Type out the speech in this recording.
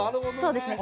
そうですね